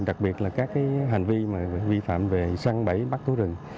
đặc biệt là các hành vi vi phạm về săn bẫy bắt thú rừng